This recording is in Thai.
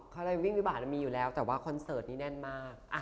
เขาเลยวิ่งวิบาลมีอยู่แล้วแต่ว่าคอนเสิร์ตนี้แน่นมาก